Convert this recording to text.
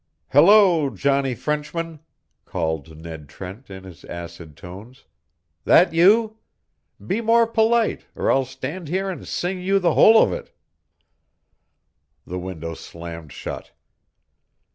"Hello, Johnny Frenchman!" called Ned Trent, in his acid tones. "That you? Be more polite, or I'll stand here and sing you the whole of it." The window slammed shut.